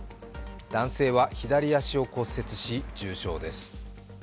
男性は左足を骨折し重傷です。